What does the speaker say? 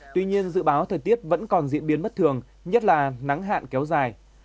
tuy nhiên dự báo thời tiết vẫn còn diễn biến bất thường nhất là nắng hạn kéo dài